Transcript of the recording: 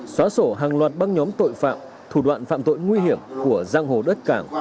xóa sổ hàng loạt băng nhóm tội phạm thủ đoạn phạm tội nguy hiểm của giang hồ đất cảng